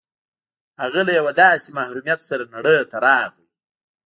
هغه له یوه داسې محرومیت سره نړۍ ته راغی